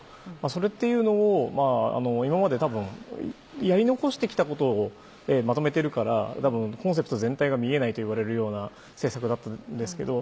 それっていうのを今まで多分やり残して来たことをまとめているから多分コンセプト全体が見えないと言われるような政策だったんですけど。